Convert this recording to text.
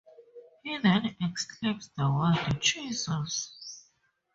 He then exclaims the word, Jesus!